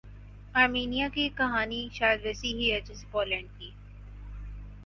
Armenia کی کہانی شاید ویسےہی ہے جیسے پولینڈ کی